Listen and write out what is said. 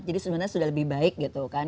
jadi sebenarnya sudah lebih baik gitu kan